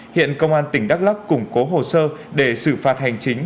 hiện công an tỉnh đắk lắc củng cố hồ sơ để xử phạt hành chính